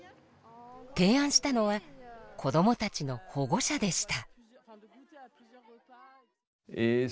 提案したのは子どもたちの保護者でした。